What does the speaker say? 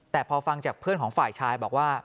แต่พอฟังจากเพื่อนของฝ่ายชายบอกว่า